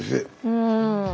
うん。